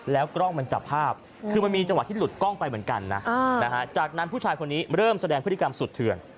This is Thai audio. กล้องมันจับภาพคือมันมีจังหวะที่หลุดกล้องไปเหมือนกันนะจากนั้นผู้ชายคนนี้เริ่มแสดงพฤติกรรมสุดเถื่อน